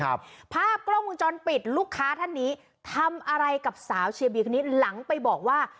ภาพกล้องวงจรปิดลูกค้าท่านนี้ทำอะไรกับสาวเชียร์บีคนนี้หลังไปบอกว่า